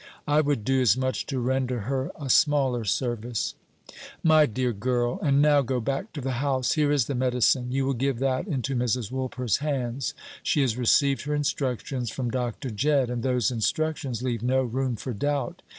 "I would do as much to render her a smaller service." "My dear girl! And now go back to the house. Here is the medicine. You will give that into Mrs. Woolper's hands; she has received her instructions from Dr. Jedd, and those instructions leave no room for doubt.